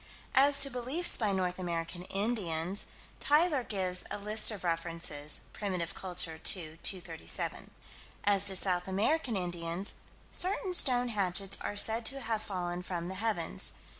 As to beliefs by North American Indians, Tyler gives a list of references (Primitive Culture, 2 237). As to South American Indians "Certain stone hatchets are said to have fallen from the heavens."